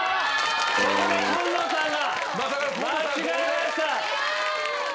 ここで紺野さんが間違えました。